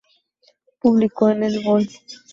Publicó en el Bol.